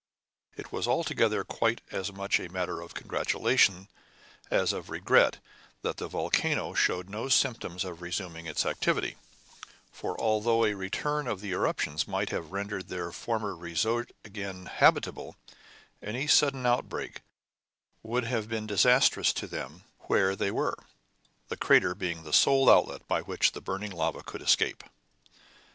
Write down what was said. It was altogether quite as much a matter of congratulation as of regret that the volcano showed no symptoms of resuming its activity; for although a return of the eruption might have rendered their former resort again habitable, any sudden outbreak would have been disastrous to them where they were, the crater being the sole outlet by which the burning lava could escape.